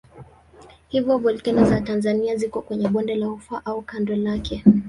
Hivyo volkeno za Tanzania ziko kwenye bonde la Ufa au kando lake.